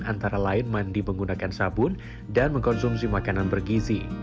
antara lain mandi menggunakan sabun dan mengkonsumsi makanan bergizi